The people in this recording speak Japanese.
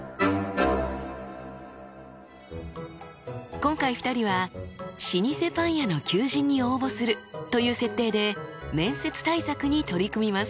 今回２人は老舗パン屋の求人に応募するという設定で面接対策に取り組みます。